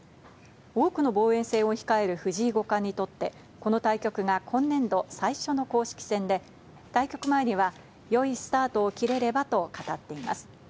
多くの防衛戦を控える藤井五冠にとって、この対局が今年度最初の公式戦で対局前には、良いスタートを切れればと語っています。